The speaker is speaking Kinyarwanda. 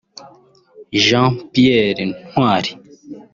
Jean Pierre Ntwali